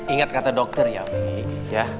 ingat kata dokter ya